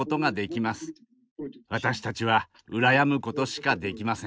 私たちは羨むことしかできません。